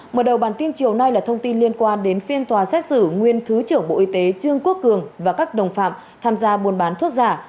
mở đầu bản tin chiều nay là thông tin liên quan đến phiên tòa xét xử nguyên thứ trưởng bộ y tế trương quốc cường và các đồng phạm tham gia buôn bán thuốc giả